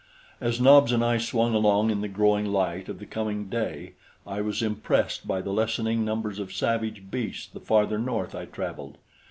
As Nobs and I swung along in the growing light of the coming day, I was impressed by the lessening numbers of savage beasts the farther north I traveled.